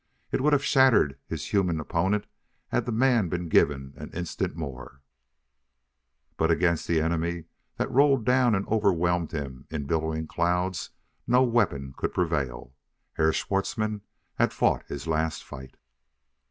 It would have shattered his human opponent had the man been given an instant more, but against the enemy that rolled down and overwhelmed him in billowing clouds no weapon could prevail. Herr Schwartzmann had fought his last fight.